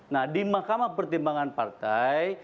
nah di mahkamah pertimbangan partai